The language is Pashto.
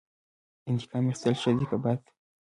انتقام اخیستل ښه دي که بد؟